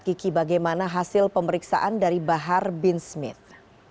kiki bagaimana hasil pemeriksaan dari bahar bin smith